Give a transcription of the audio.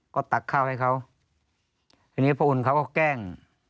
ก็ตักข้าวให้เขาทีนี้พระอุ่นเขาก็แกล้ง